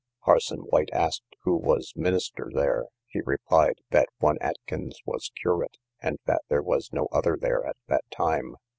Parson White asked who was minister there, he replied, that one Atkins was curate, and that there was no other there at that time.